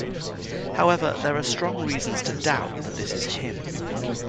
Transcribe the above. However, there are strong reasons to doubt that this is him.